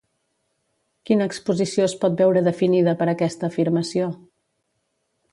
Quina exposició es pot veure definida per aquesta afirmació?